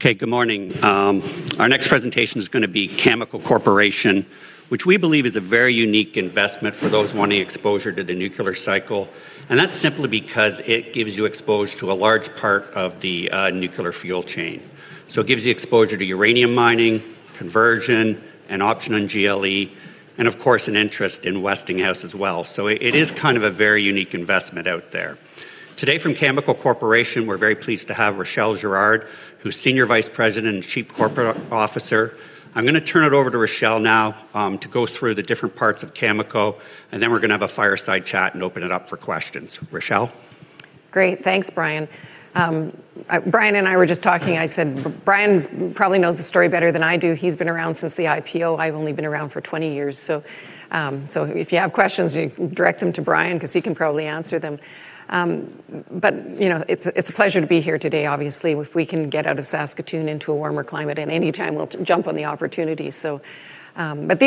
Okay, good morning. Our next presentation is gonna be Cameco Corporation, which we believe is a very unique investment for those wanting exposure to the nuclear cycle. That's simply because it gives you exposure to a large part of the nuclear fuel chain. It gives you exposure to uranium mining, conversion, an option on GLE, and of course, an interest in Westinghouse as well. It is kind of a very unique investment out there. Today from Cameco Corporation, we're very pleased to have Rachelle Girard, who's Senior Vice-President and Chief Corporate Officer. I'm gonna turn it over to Rachelle now to go through the different parts of Cameco. Then we're gonna have a fireside chat and open it up for questions. Rachelle? Great. Thanks, Brian. Brian and I were just talking. I said, "Brian probably knows the story better than I do. He's been around since the IPO. I've only been around for 20 years." If you have questions, you can direct them to Brian 'cause he can probably answer them. you know, it's a pleasure to be here today, obviously. If we can get out of Saskatoon into a warmer climate at any time, we'll jump on the opportunity. These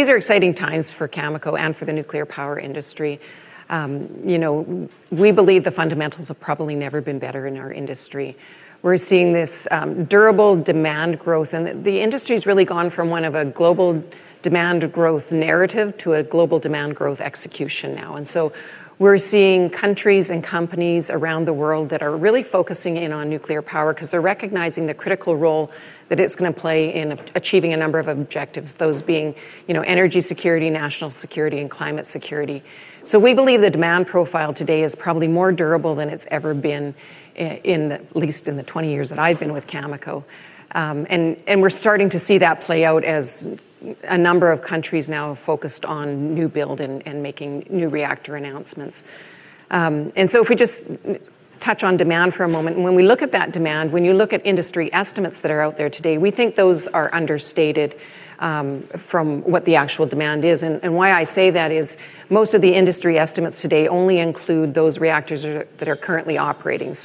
are exciting times for Cameco and for the nuclear power industry. you know, we believe the fundamentals have probably never been better in our industry. We're seeing this durable demand growth and the industry's really gone from one of a global demand growth narrative to a global demand growth execution now. We're seeing countries and companies around the world that are really focusing in on nuclear power 'cause they're recognizing the critical role that it's gonna play in achieving a number of objectives, those being, you know, energy security, national security, and climate security. We believe the demand profile today is probably more durable than it's ever been in the, at least in the 20 years that I've been with Cameco. We're starting to see that play out as a number of countries now have focused on new build and making new reactor announcements. If we just touch on demand for a moment, and when we look at that demand, when you look at industry estimates that are out there today, we think those are understated from what the actual demand is. Why I say that is most of the industry estimates today only include those reactors that are currently operating.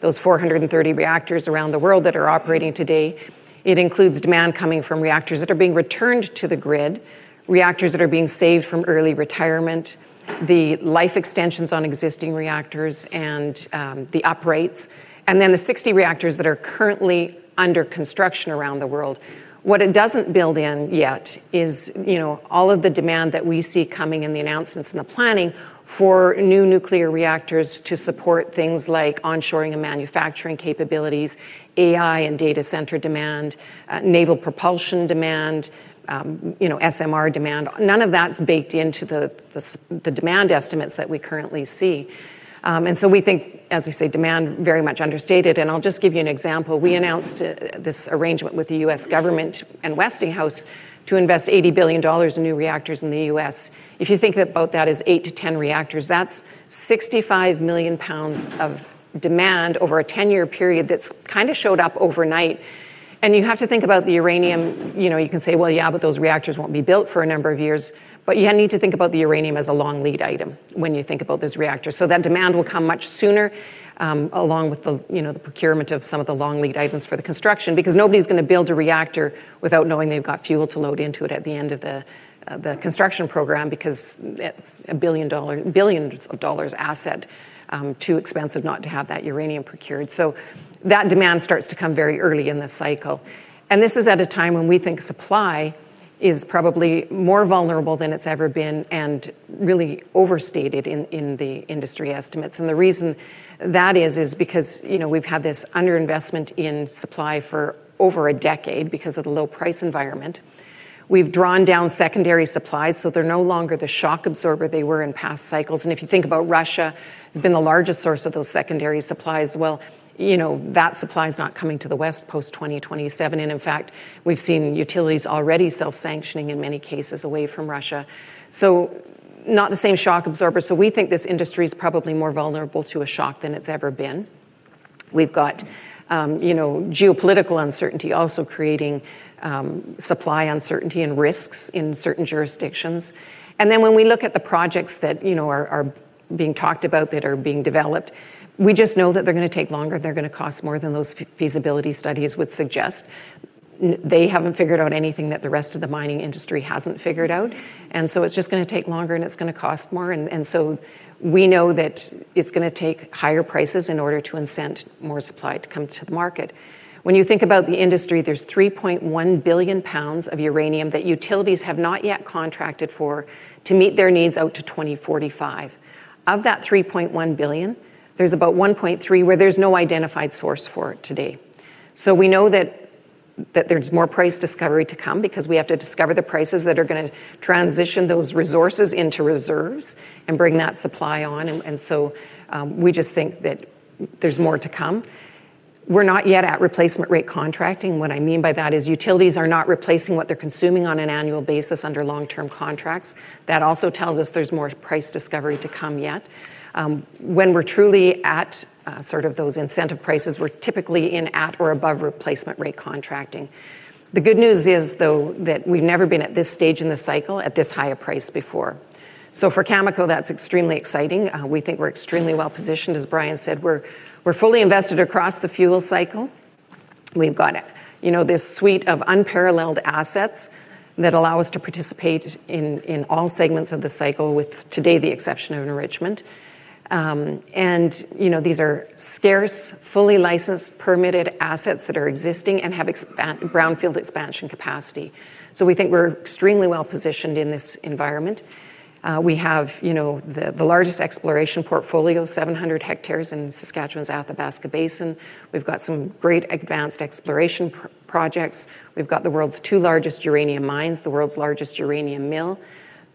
Those 430 reactors around the world that are operating today, it includes demand coming from reactors that are being returned to the grid, reactors that are being saved from early retirement, the life extensions on existing reactors and the uprates, and then the 60 reactors that are currently under construction around the world. What it doesn't build in yet is, you know, all of the demand that we see coming in the announcements and the planning for new nuclear reactors to support things like onshoring and manufacturing capabilities, AI and data center demand, naval propulsion demand, you know, SMR demand. None of that's baked into the demand estimates that we currently see. We think, as I say, demand very much understated, and I'll just give you an example. We announced this arrangement with the U.S. government and Westinghouse to invest $80 billion in new reactors in the U.S. If you think about that as eight to 10 reactors, that's 65 million lbs of demand over a 10-year period that's kinda showed up overnight, and you have to think about the uranium. You know, you can say, "Well, yeah, but those reactors won't be built for a number of years." You need to think about the uranium as a long lead item when you think about those reactors. That demand will come much sooner, along with the, you know, the procurement of some of the long lead items for the construction because nobody's gonna build a reactor without knowing they've got fuel to load into it at the end of the construction program because it's a billion-dollar, billions of dollars asset, too expensive not to have that uranium procured. That demand starts to come very early in the cycle. This is at a time when we think supply is probably more vulnerable than it's ever been and really overstated in the industry estimates. The reason that is because, you know, we've had this underinvestment in supply for over a decade because of the low price environment. We've drawn down secondary supplies, so they're no longer the shock absorber they were in past cycles. If you think about Russia, it's been the largest source of those secondary supplies. You know, that supply is not coming to the West post-2027, and in fact, we've seen utilities already self-sanctioning in many cases away from Russia. Not the same shock absorber. We think this industry is probably more vulnerable to a shock than it's ever been. We've got, you know, geopolitical uncertainty also creating supply uncertainty and risks in certain jurisdictions. When we look at the projects that, you know, are being talked about, that are being developed, we just know that they're gonna take longer, they're gonna cost more than those feasibility studies would suggest. They haven't figured out anything that the rest of the mining industry hasn't figured out. It's just gonna take longer, and it's gonna cost more. We know that it's gonna take higher prices in order to incent more supply to come to the market. When you think about the industry, there's 3.1 billion lbs of uranium that utilities have not yet contracted for to meet their needs out to 2045. Of that 3.1 billion, there's about 1.3 where there's no identified source for it today. We know that there's more price discovery to come because we have to discover the prices that are gonna transition those resources into reserves and bring that supply on. We just think that there's more to come. We're not yet at replacement rate contracting. What I mean by that is utilities are not replacing what they're consuming on an annual basis under long-term contracts. That also tells us there's more price discovery to come yet. When we're truly at sort of those incentive prices, we're typically at or above replacement rate contracting. The good news is, though, that we've never been at this stage in the cycle at this high a price before. For Cameco, that's extremely exciting. We think we're extremely well-positioned. As Brian said, we're fully invested across the fuel cycle. We've got, you know, this suite of unparalleled assets that allow us to participate in all segments of the cycle with today the exception of enrichment. These are scarce, fully licensed, permitted assets that are existing and have brownfield expansion capacity. We think we're extremely well-positioned in this environment. We have, you know, the largest exploration portfolio, 700 hectares in Saskatchewan's Athabasca Basin. We've got some great advanced exploration projects. We've got the world's two largest uranium mines, the world's largest uranium mill,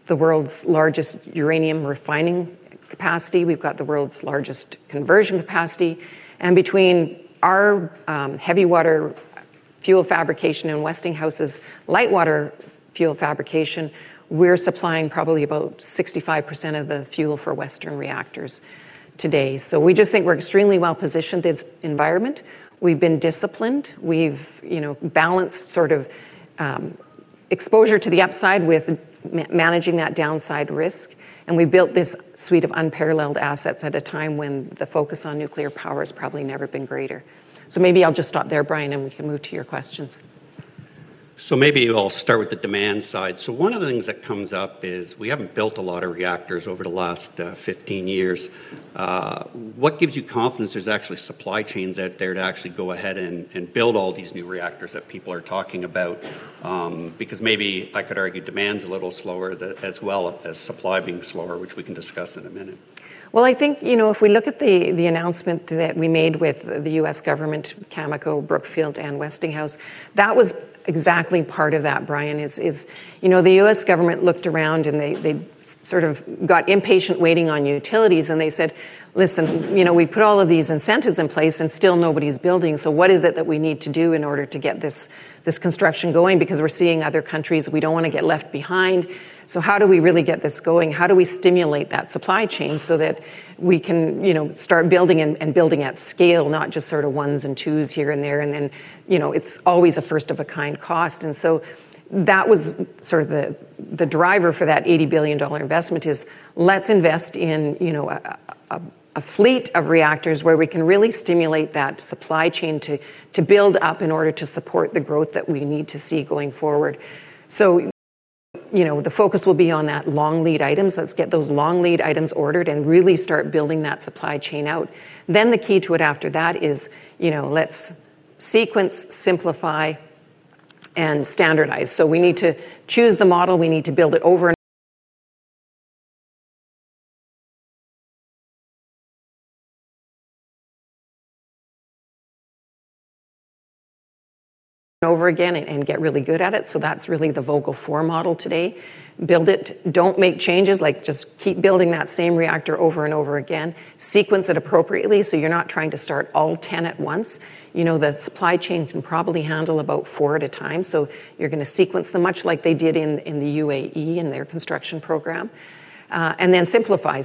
the world's largest uranium refining capacity. We've got the world's largest conversion capacity. Between our heavy water fuel fabrication and Westinghouse's light water fuel fabrication, we're supplying probably about 65% of the fuel for Western reactors today. We just think we're extremely well-positioned this environment. We've been disciplined. We've, you know, balanced sort of exposure to the upside with managing that downside risk, and we built this suite of unparalleled assets at a time when the focus on nuclear power has probably never been greater. Maybe I'll just stop there, Brian, and we can move to your questions. Maybe I'll start with the demand side. One of the things that comes up is we haven't built a lot of reactors over the last 15 years. What gives you confidence there's actually supply chains out there to actually go ahead and build all these new reactors that people are talking about? Because maybe I could argue demand's a little slower as well as supply being slower, which we can discuss in a minute. Well, I think, you know, if we look at the announcement that we made with the U.S. government, Cameco, Brookfield, and Westinghouse, that was exactly part of that, Brian, is. You know, the U.S. government looked around, and they sort of got impatient waiting on utilities, and they said, "Listen, you know, we put all of these incentives in place, and still nobody's building. What is it that we need to do in order to get this construction going? Because we're seeing other countries. We don't wanna get left behind. How do we really get this going? How do we stimulate that supply chain so that we can, you know, start building and building at scale, not just sort of ones and twos here and there?" You know, it's always a first-of-a-kind cost. That was sort of the driver for that $80 billion investment is let's invest in, you know, a, a fleet of reactors where we can really stimulate that supply chain to build up in order to support the growth that we need to see going forward. You know, the focus will be on that long lead items. Let's get those long lead items ordered and really start building that supply chain out. The key to it after that is, you know, let's sequence, simplify, and standardize. We need to choose the model. We need to build it over and over again and get really good at it. That's really the Vogtle 4 model today. Build it. Don't make changes. Like, just keep building that same reactor over and over again. Sequence it appropriately, so you're not trying to start all 10 at once. You know, the supply chain can probably handle about four at a time, so you're gonna sequence them much like they did in the UAE in their construction program. Then simplify.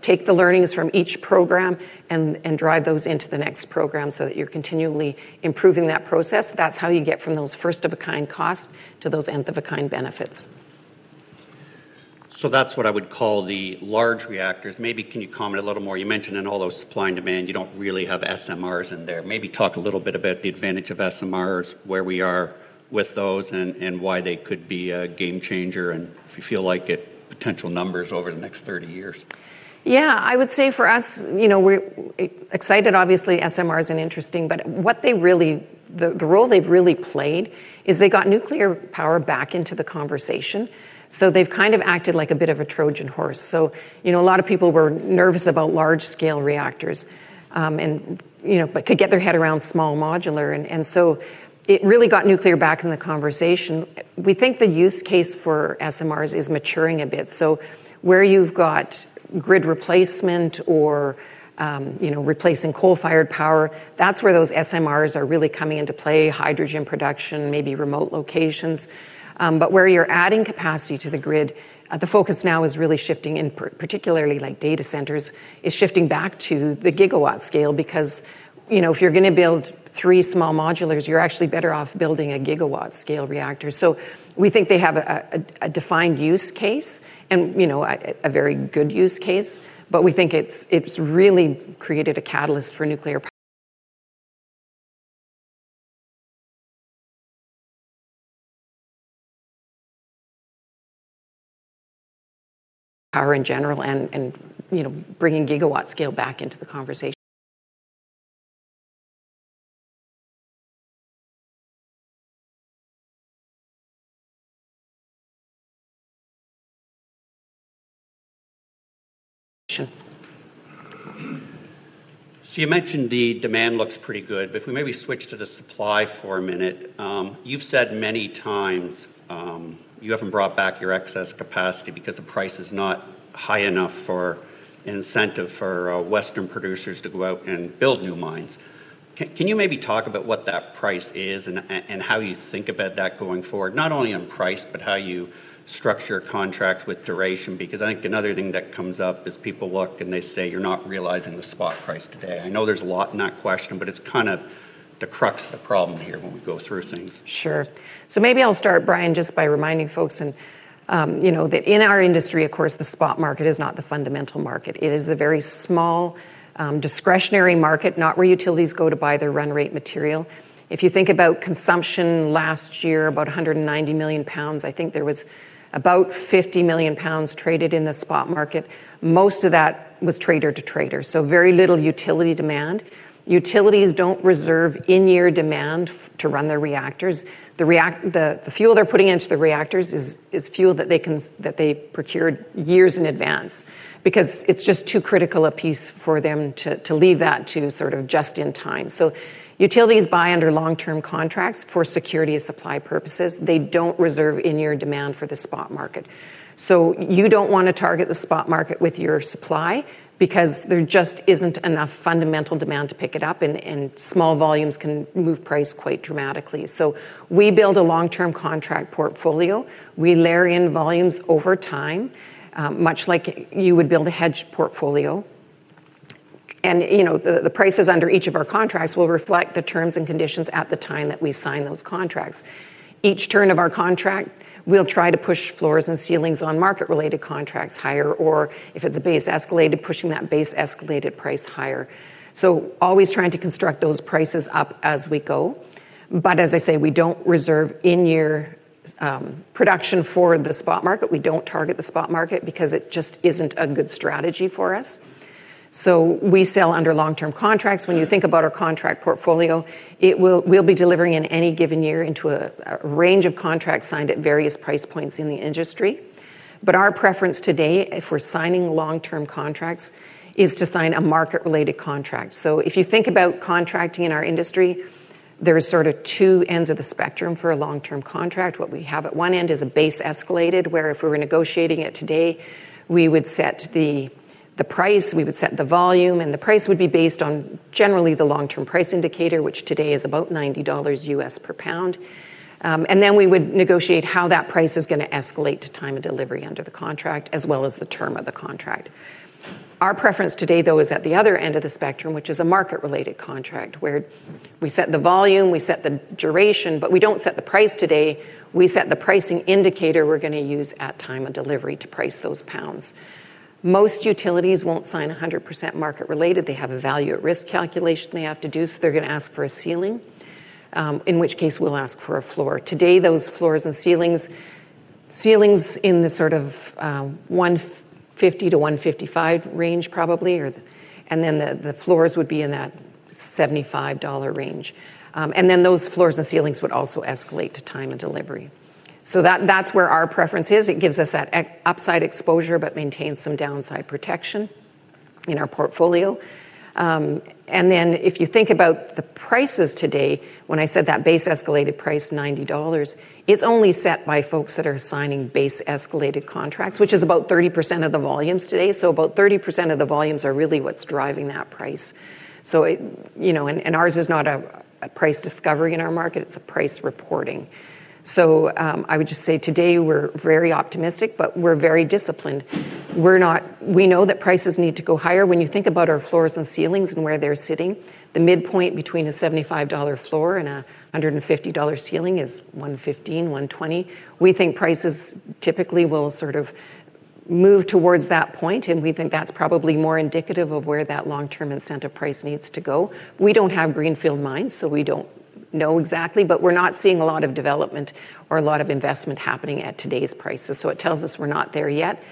Take the learnings from each program and drive those into the next program so that you're continually improving that process. That's how you get from those first-of-a-kind costs to those nth-of-a-kind benefits. That's what I would call the large reactors. Maybe can you comment a little more? You mentioned in all those supply and demand, you don't really have SMRs in there. Maybe talk a little bit about the advantage of SMRs, where we are with those and why they could be a game changer and if you feel like it, potential numbers over the next 30 years. I would say for us, you know, we're excited obviously SMRs and interesting, but what the role they've really played is they got nuclear power back into the conversation. They've kind of acted like a bit of a Trojan horse. You know, a lot of people were nervous about large scale reactors, and, you know, but could get their head around small modular. It really got nuclear back in the conversation. We think the use case for SMRs is maturing a bit. Where you've got grid replacement or, you know, replacing coal-fired power, that's where those SMRs are really coming into play, hydrogen production, maybe remote locations. Where you're adding capacity to the grid, the focus now is really shifting in, particularly like data centers, is shifting back to the gigawatt scale because, you know, if you're gonna build three Small Modulars, you're actually better off building a gigawatt scale reactor. We think they have a defined use case and, you know, a very good use case. We think it's really created a catalyst for nuclear power in general and, you know, bringing gigawatt scale back into the conversation. You mentioned the demand looks pretty good. If we maybe switch to the supply for a minute, you've said many times, you haven't brought back your excess capacity because the price is not high enough for incentive for Western producers to go out and build new mines. Can you maybe talk about what that price is and how you think about that going forward? Not only on price, but how you structure contracts with duration because I think another thing that comes up is people look and they say you're not realizing the spot price today. I know there's a lot in that question, but it's kind of the crux of the problem here when we go through things. Sure. Maybe I'll start, Brian, just by reminding folks and, you know, that in our industry, of course, the spot market is not the fundamental market. It is a very small discretionary market, not where utilities go to buy their run rate material. If you think about consumption last year, about 190 million lbs, I think there was about 50 million lbs traded in the spot market. Most of that was trader to trader, so very little utility demand. Utilities don't reserve in-year demand to run their reactors. The fuel they're putting into the reactors is fuel that they procured years in advance because it's just too critical a piece for them to leave that to sort of just in time. Utilities buy under long-term contracts for security of supply purposes. They don't reserve in-year demand for the spot market. You don't wanna target the spot market with your supply because there just isn't enough fundamental demand to pick it up, and small volumes can move price quite dramatically. We build a long-term contract portfolio. We layer in volumes over time, much like you would build a hedged portfolio. You know, the prices under each of our contracts will reflect the terms and conditions at the time that we sign those contracts. Each turn of our contract, we'll try to push floors and ceilings on market-related contracts higher or, if it's a base-escalated, pushing that base-escalated price higher. Always trying to construct those prices up as we go. As I say, we don't reserve in-year, production for the spot market. We don't target the spot market because it just isn't a good strategy for us. We sell under long-term contracts. When you think about our contract portfolio, we'll be delivering in any given year into a range of contracts signed at various price points in the industry. Our preference today, if we're signing long-term contracts, is to sign a market-related contract. If you think about contracting in our industry, there's sort of two ends of the spectrum for a long-term contract. What we have at one end is a base-escalated, where if we're negotiating it today, we would set the price, we would set the volume, and the price would be based on generally the long-term price indicator, which today is about $90 U.S. per pound. Then we would negotiate how that price is gonna escalate to time of delivery under the contract as well as the term of the contract. Our preference today, though, is at the other end of the spectrum, which is a market-related contract, where we set the volume, we set the duration, but we don't set the price today. We set the pricing indicator we're gonna use at time of delivery to price those pounds. Most utilities won't sign 100% market related. They have a Value at Risk calculation they have to do, so they're gonna ask for a ceiling, in which case we'll ask for a floor. Today, those floors and ceilings in the sort of, $150-$155 range probably or the. Then the floors would be in that $75 range. And then those floors and ceilings would also escalate to time of delivery. That's where our preference is. It gives us that upside exposure, but maintains some downside protection in our portfolio. And then if you think about the prices today, when I said that base-escalated price, $90, it's only set by folks that are signing base-escalated contracts, which is about 30% of the volumes today. About 30% of the volumes are really what's driving that price. It, you know, and ours is not a price discovery in our market, it's a price reporting. I would just say today we're very optimistic, but we're very disciplined. We know that prices need to go higher. When you think about our floors and ceilings and where they're sitting, the midpoint between a $75 floor and a $150 ceiling is $115, $120. We think prices typically will sort of move towards that point, and we think that's probably more indicative of where that long-term incentive price needs to go. We don't have greenfield mines, so we don't know exactly, but we're not seeing a lot of development or a lot of investment happening at today's prices, so it tells us we're not there yet.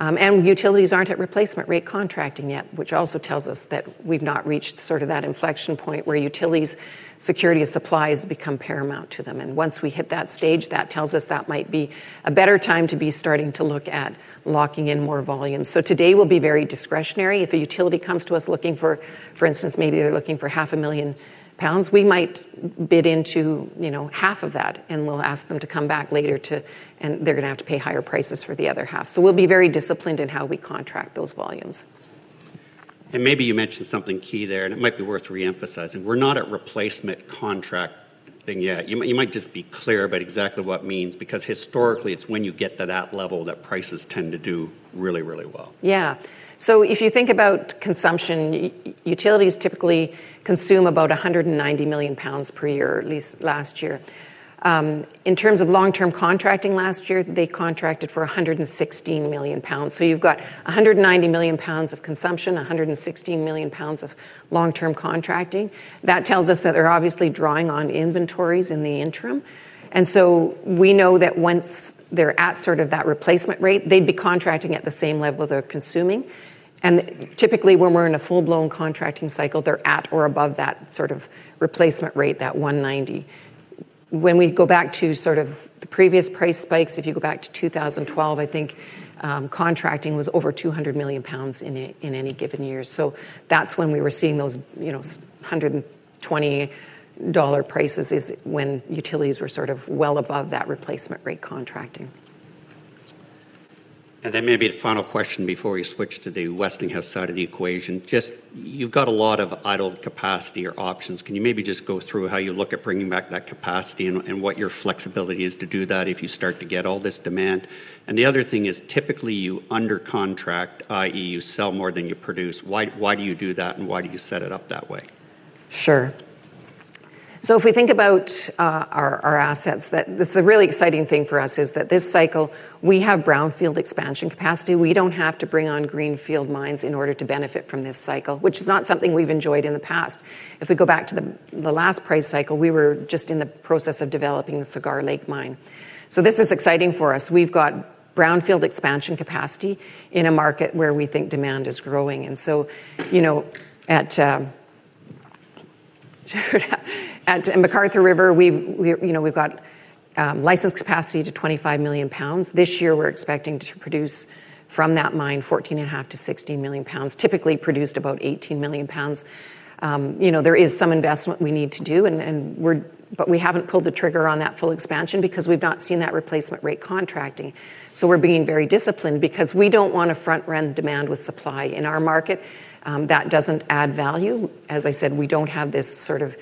Utilities aren't at replacement rate contracting yet, which also tells us that we've not reached sort of that inflection point where utilities security of supplies become paramount to them. Once we hit that stage, that tells us that might be a better time to be starting to look at locking in more volumes. Today we'll be very discretionary. If a utility comes to us looking for instance, maybe they're looking for 500,000 lbs, we might bid into, you know, half of that, and we'll ask them to come back later and they're gonna have to pay higher prices for the other half. We'll be very disciplined in how we contract those volumes. Maybe you mentioned something key there, and it might be worth re-emphasizing. We're not at replacement contracting yet. You might just be clear about exactly what it means, because historically it's when you get to that level that prices tend to do really, really well. If you think about consumption, utilities typically consume about 190 million lbs per year, at least last year. In terms of long-term contracting last year, they contracted for 116 million lbs. You've got 190 million lbs of consumption, 116 million lbs of long-term contracting. That tells us that they're obviously drawing on inventories in the interim. We know that once they're at sort of that replacement rate, they'd be contracting at the same level they're consuming. Typically, when we're in a full-blown contracting cycle, they're at or above that sort of replacement rate, that 190 million lbs. When we go back to sort of the previous price spikes, if you go back to 2012, I think, contracting was over 200 million lbs in any given year. That's when we were seeing those, you know, $120 prices is when utilities were sort of well above that replacement rate contracting. Maybe the final question before we switch to the Westinghouse side of the equation. Just you've got a lot of idle capacity or options. Can you maybe just go through how you look at bringing back that capacity and what your flexibility is to do that if you start to get all this demand? The other thing is, typically you under contract, i.e., you sell more than you produce. Why do you do that, and why do you set it up that way? Sure. If we think about our assets, the really exciting thing for us is that this cycle we have brownfield expansion capacity. We don't have to bring on greenfield mines in order to benefit from this cycle, which is not something we've enjoyed in the past. If we go back to the last price cycle, we were just in the process of developing Cigar Lake Mine. This is exciting for us. We've got brownfield expansion capacity in a market where we think demand is growing. You know, at McArthur River, we, you know, we've got license capacity to 25 million lbs. This year we're expecting to produce from that mine 14.5 million lbs-16 million lbs. Typically produced about 18 million lbs. You know, there is some investment we need to do and we haven't pulled the trigger on that full expansion because we've not seen that replacement rate contracting. We're being very disciplined because we don't wanna front-run demand with supply in our market, that doesn't add value. As I said, we don't have this sort of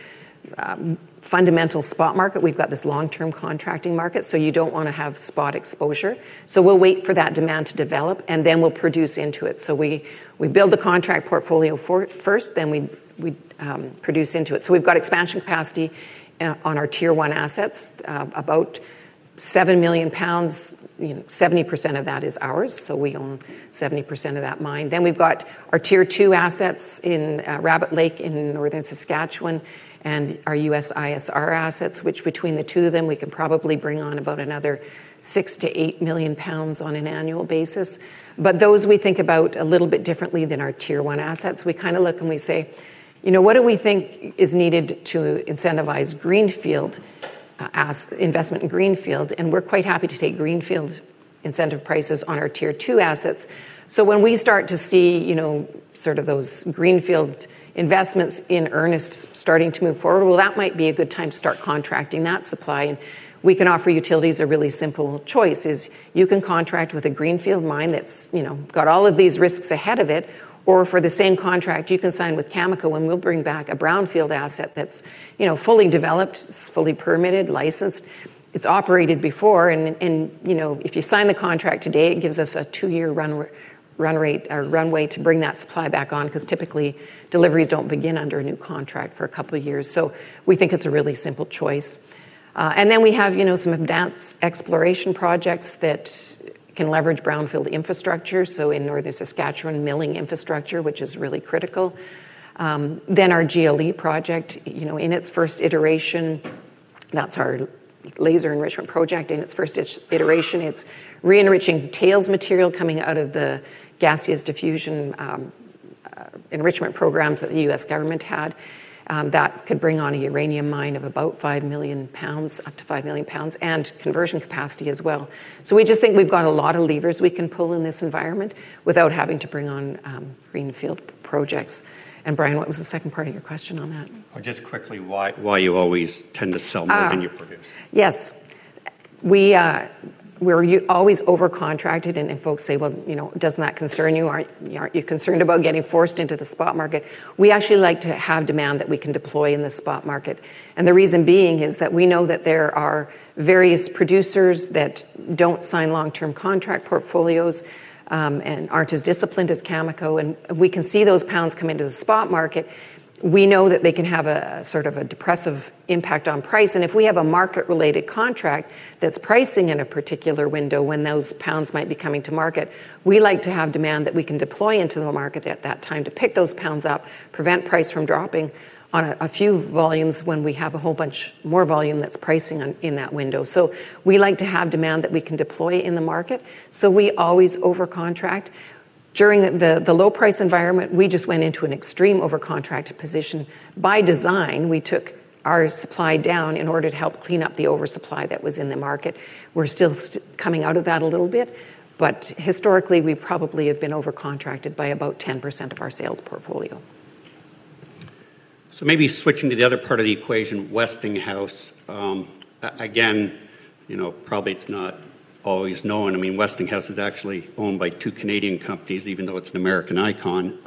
fundamental spot market. We've got this long-term contracting market, so you don't wanna have spot exposure. We'll wait for that demand to develop, and then we'll produce into it. We build the contract portfolio first, then we, um, produce into it. We've got expansion capacity on our tier-one assets, about 7 million lbs. You know, 70% of that is ours, so we own 70% of that mine. We've got our tier-two assets in Rabbit Lake in northern Saskatchewan and our U.S. ISR assets, which between the two of them we can probably bring on about another 6 million lbs-8 million lbs on an annual basis. Those we think about a little bit differently than our tier-one assets. We kinda look and we say, you know, what do we think is needed to incentivize greenfield investment in greenfield? We're quite happy to take greenfield incentive prices on our tier-two assets. When we start to see, you know, sort of those greenfield investments in earnest starting to move forward, well, that might be a good time to start contracting that supply. We can offer utilities a really simple choice is you can contract with a greenfield mine that's, you know, got all of these risks ahead of it, or for the same contract, you can sign with Cameco, and we'll bring back a brownfield asset that's, you know, fully developed, it's fully permitted, licensed, it's operated before. If you sign the contract today, it gives us a two-year runway to bring that supply back on, because typically deliveries don't begin under a new contract for a couple of years. We think it's a really simple choice. Then we have, you know, some advanced exploration projects that can leverage brownfield infrastructure. So in northern Saskatchewan, milling infrastructure, which is really critical. Then our GLE project, you know, in its first iteration, that's our laser enrichment project. In its first iteration, it's re-enriching tails material coming out of the gaseous diffusion enrichment programs that the U.S. government had, that could bring on a uranium mine of about 5 million lbs, up to 5 million lbs, and conversion capacity as well. We just think we've got a lot of levers we can pull in this environment without having to bring on greenfield projects. Brian, what was the second part of your question on that? just quickly, why you always tend to sell more than you produce? Yes. We're always over-contracted and folks say, "Well, you know, doesn't that concern you? Aren't you concerned about getting forced into the spot market?" We actually like to have demand that we can deploy in the spot market, the reason being is that we know that there are various producers that don't sign long-term contract portfolios and aren't as disciplined as Cameco, and we can see those pounds come into the spot market. We know that they can have a, sort of a depressive impact on price. If we have a market-related contract that's pricing in a particular window when those pounds might be coming to market, we like to have demand that we can deploy into the market at that time to pick those pounds up, prevent price from dropping on a few volumes when we have a whole bunch more volume that's pricing in that window. We like to have demand that we can deploy in the market, so we always over-contract. During the low price environment, we just went into an extreme over-contract position. By design, we took our supply down in order to help clean up the oversupply that was in the market. We're still coming out of that a little bit, but historically, we probably have been over-contracted by about 10% of our sales portfolio. Maybe switching to the other part of the equation, Westinghouse. Again, you know, probably it's not always known. I mean, Westinghouse is actually owned by two Canadian companies, even though it's an American icon.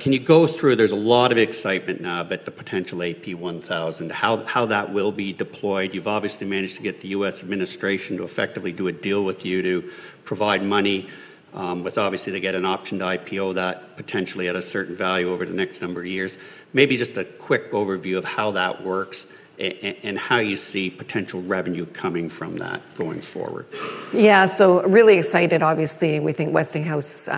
Can you go through, there's a lot of excitement now about the potential AP1000. How that will be deployed? You've obviously managed to get the U.S. administration to effectively do a deal with you to provide money, with obviously they get an option to IPO that potentially at a certain value over the next number of years. Maybe just a quick overview of how that works and how you see potential revenue coming from that going forward. Yeah. Really excited obviously. We think Westinghouse.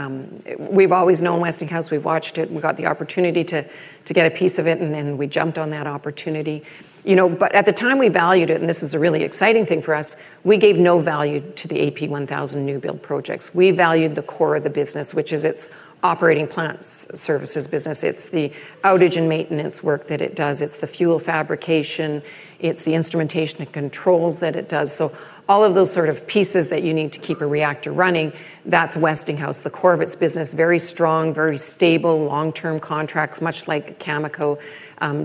We've always known Westinghouse. We've watched it, and we got the opportunity to get a piece of it, we jumped on that opportunity. You know, at the time we valued it, and this is a really exciting thing for us, we gave no value to the AP1000 new build projects. We valued the core of the business, which is its operating plants services business. It's the outage and maintenance work that it does. It's the fuel fabrication. It's the instrumentation and controls that it does. All of those sort of pieces that you need to keep a reactor running, that's Westinghouse. The core of its business, very strong, very stable, long-term contracts, much like Cameco,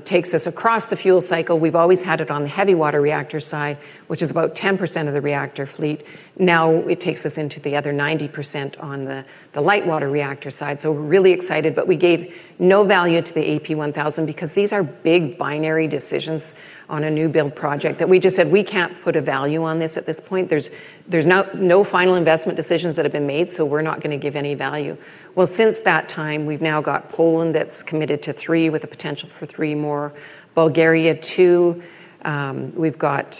takes us across the fuel cycle. We've always had it on the heavy water reactor side, which is about 10% of the reactor fleet. It takes us into the other 90% on the light water reactor side. We're really excited, but we gave no value to the AP1000 because these are big binary decisions on a new build project that we just said we can't put a value on this at this point. There's no final investment decisions that have been made, we're not gonna give any value. Well, since that time, we've now got Poland that's committed to three with a potential for three more. Bulgaria, two. We've got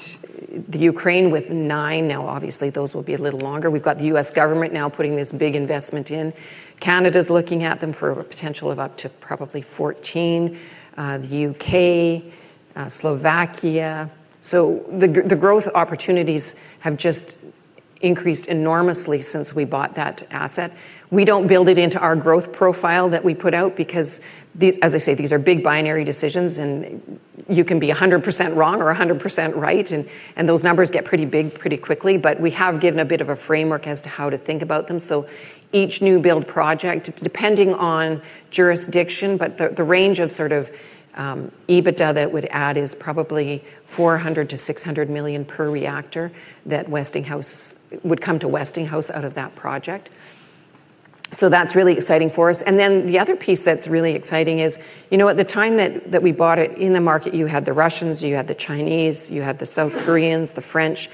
the Ukraine with nine. Obviously, those will be a little longer. We've got the U.S. government now putting this big investment in. Canada's looking at them for a potential of up to probably 14. The U.K., Slovakia. The growth opportunities have just increased enormously since we bought that asset. We don't build it into our growth profile that we put out because as I say, these are big binary decisions, and you can be 100% wrong or 100% right and those numbers get pretty big pretty quickly. We have given a bit of a framework as to how to think about them. Each new build project, it's depending on jurisdiction, but the range of sort of EBITDA that it would add is probably $400 million-$600 million per reactor that would come to Westinghouse out of that project. That's really exciting for us. The other piece that's really exciting is, you know, at the time that we bought it, in the market, you had the Russians, you had the Chinese, you had the South Koreans, the French,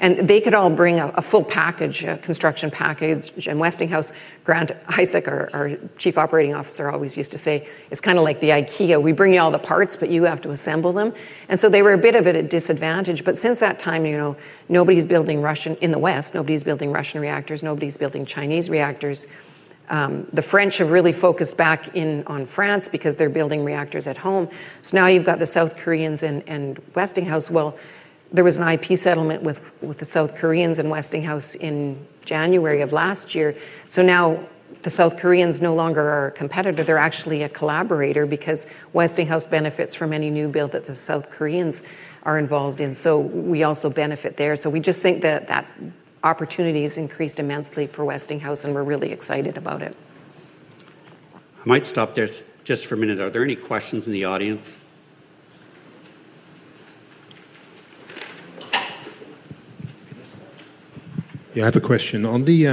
and they could all bring a full package, a construction package. Westinghouse, Grant Isaac, our Chief Operating Officer, always used to say, "It's kinda like the IKEA. We bring you all the parts, but you have to assemble them." They were a bit of at a disadvantage. Since that time, you know, in the West, nobody's building Russian reactors, nobody's building Chinese reactors. The French have really focused back in on France because they're building reactors at home. Now you've got the South Koreans and Westinghouse. Well, there was an IP settlement with the South Koreans and Westinghouse in January of last year. Now the South Koreans no longer are a competitor. They're actually a collaborator because Westinghouse benefits from any new build that the South Koreans are involved in. We also benefit there. We just think that that opportunity has increased immensely for Westinghouse, and we're really excited about it. I might stop this just for a minute. Are there any questions in the audience? Yeah, I have a question. On the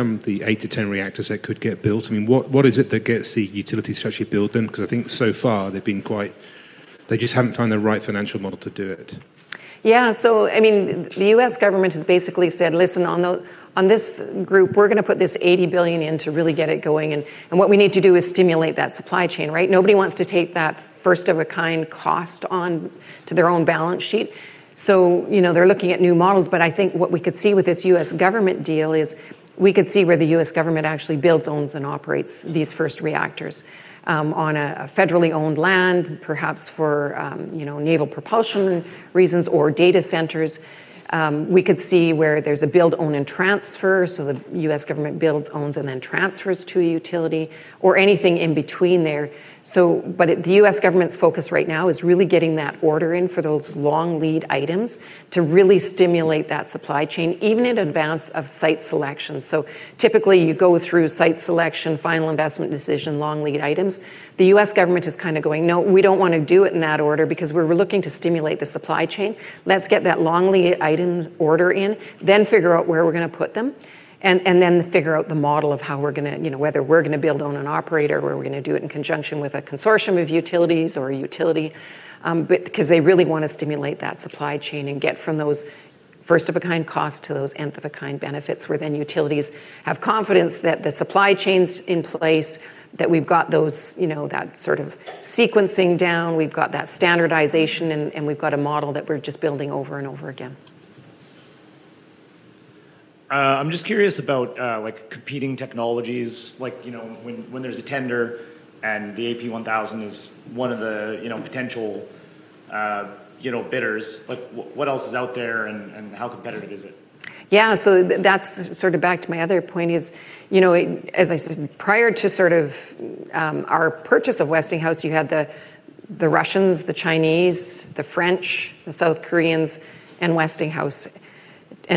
eight-10 reactors that could get built, I mean, what is it that gets the utilities to actually build them? Because I think so far, they just haven't found the right financial model to do it. Yeah. I mean, the U.S. government has basically said, "Listen, on this group, we're gonna put this $80 billion in to really get it going, and what we need to do is stimulate that supply chain," right? Nobody wants to take that first-of-a-kind cost on to their own balance sheet. You know, they're looking at new models. I think what we could see with this U.S. government deal is we could see where the U.S. government actually builds, owns, and operates these first reactors, on a federally owned land, perhaps for, you know, naval propulsion reasons or data centers. We could see where there's a build, own, and transfer. The U.S. government builds, owns, and then transfers to a utility or anything in between there. The U.S. government's focus right now is really getting that order in for those long lead items to really stimulate that supply chain, even in advance of site selection. Typically, you go through site selection, final investment decision, long lead items. The U.S. government is kinda going, "No, we don't wanna do it in that order because we're looking to stimulate the supply chain. Let's get that long lead item order in, then figure out where we're gonna put them, and then figure out the model of how we're gonna, you know, whether we're gonna build, own, and operate or whether we're gonna do it in conjunction with a consortium of utilities or a utility. 'Cause they really wanna stimulate that supply chain and get from those first-of-a-kind cost to those nth-of-a-kind benefits, where then utilities have confidence that the supply chain's in place, that we've got those, you know, that sort of sequencing down, we've got that standardization, and we've got a model that we're just building over and over again. I'm just curious about, like competing technologies. Like, you know, when there's a tender and the AP1000 is one of the, you know, potential, you know, bidders, like what else is out there and how competitive is it? That's sort of back to my other point is, you know, as I said, prior to sort of, our purchase of Westinghouse, you had the Russians, the Chinese, the French, the South Koreans, and Westinghouse.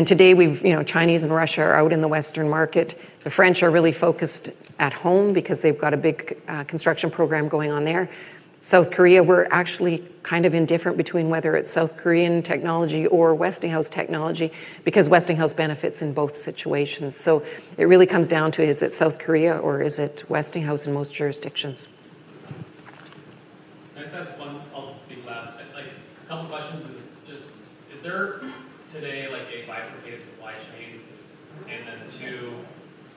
Today, we've, you know, Chinese and Russia are out in the Western market. The French are really focused at home because they've got a big, construction program going on there. South Korea, we're actually kind of indifferent between whether it's South Korean technology or Westinghouse technology because Westinghouse benefits in both situations. It really comes down to is it South Korea or is it Westinghouse in most jurisdictions. Can I just ask. I'll speak loud. A couple questions is just, is there today like a bifurcated supply chain? Two,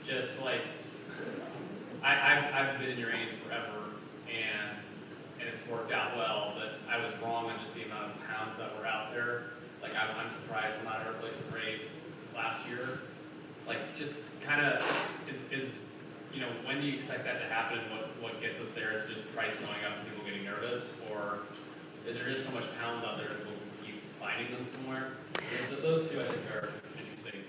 just like I've been in uranium forever and it's worked out well, but I was wrong on just the amount of pounds that were out there. I'm surprised we're not at a replacement rate last year. Just kinda, you know, when do you expect that to happen? What gets us there? Is it just price going up and people getting nervous, or is there just so much pounds out there and we'll keep finding them somewhere? Those two I think are interesting.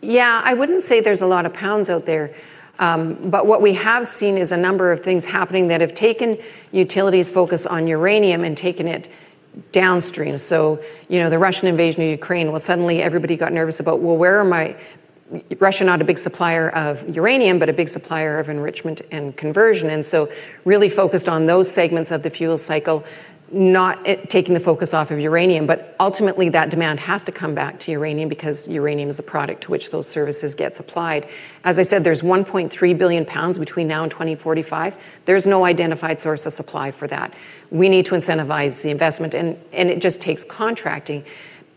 Yeah. I wouldn't say there's a lot of pounds out there. What we have seen is a number of things happening that have taken utilities' focus on uranium and taken it downstream. You know, the Russian invasion of Ukraine, well suddenly everybody got nervous about, well, where are my Russia not a big supplier of uranium, but a big supplier of enrichment and conversion. Really focused on those segments of the fuel cycle, not taking the focus off of uranium, but ultimately that demand has to come back to uranium because uranium is the product to which those services get supplied. As I said, there's 1.3 billion lbs between now and 2045. There's no identified source of supply for that. We need to incentivize the investment, and it just takes contracting.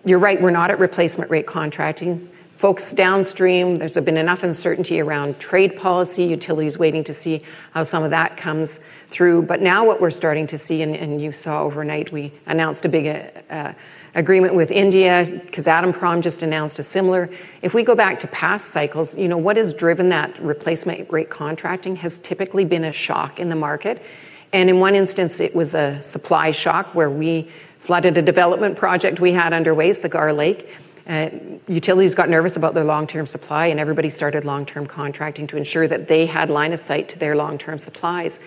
You're right, we're not at replacement rate contracting. Folks downstream, there's been enough uncertainty around trade policy, utilities waiting to see how some of that comes through. Now what we're starting to see, and you saw overnight, we announced a big agreement with India, Kazatomprom just announced a similar. If we go back to past cycles, you know, what has driven that replacement rate contracting has typically been a shock in the market, and in one instance, it was a supply shock where we flooded a development project we had underway, Cigar Lake. Utilities got nervous about their long-term supply, everybody started long-term contracting to ensure that they had line of sight to their long-term supplies.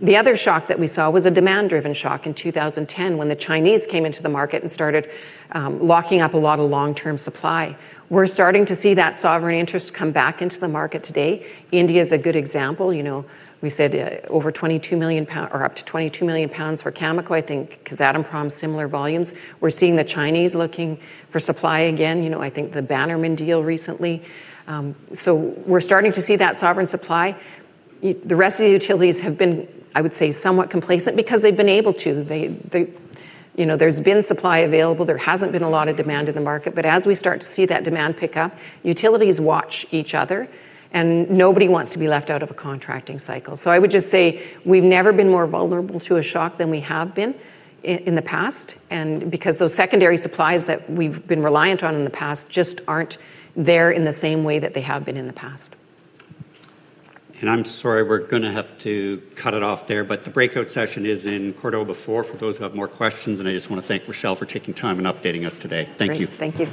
The other shock that we saw was a demand-driven shock in 2010 when the Chinese came into the market and started locking up a lot of long-term supply. We're starting to see that sovereign interest come back into the market today. India's a good example. You know, we said over 22 million lbs, or up to 22 million lbs for Cameco. I think Kazatomprom, similar volumes. We're seeing the Chinese looking for supply again. You know, I think the Bannerman deal recently. We're starting to see that sovereign supply. The rest of the utilities have been, I would say, somewhat complacent because they've been able to. You know, there's been supply available. There hasn't been a lot of demand in the market, but as we start to see that demand pick up, utilities watch each other, and nobody wants to be left out of a contracting cycle. I would just say we've never been more vulnerable to a shock than we have been in the past, and because those secondary supplies that we've been reliant on in the past just aren't there in the same way that they have been in the past. I'm sorry, we're gonna have to cut it off there, but the breakout session is in Cordoba four for those who have more questions. I just wanna thank Rachelle for taking time and updating us today. Thank you. Great. Thank you.